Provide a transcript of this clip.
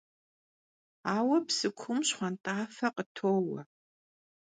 Aue psı kuum şxhuant'afe khıtoue.